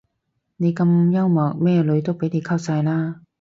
你咁幽默咩女都俾你溝晒啦